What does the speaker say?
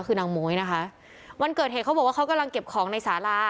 คือนางม้วยนะคะวันเกิดเหตุเขาบอกว่าเขากำลังเก็บของในสารา